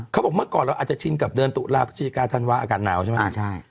เขาบอกเมื่อก่อนเราอาจจะชินกับเดือนตุลาพฤศจิกาธันวาอากาศหนาวใช่ไหม